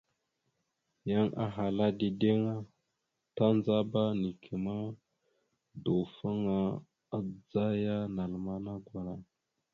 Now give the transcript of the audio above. Yan ahalkala dideŋ a, tandzaba neke ma, dawəfaŋa adzaya naləmana gwala.